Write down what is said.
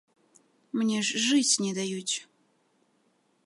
Мне ж жыць не даюць.